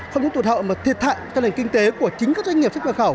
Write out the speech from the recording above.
không những tụt hậu mà thiệt hại cho nền kinh tế của chính các doanh nghiệp xuất nhập khẩu